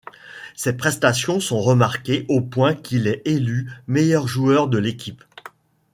Ses prestations sont remarquées au point qu'il est élu meilleur joueur de l'équipe.